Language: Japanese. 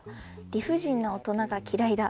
「理不尽な大人が嫌いだ。